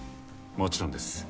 もちろんです。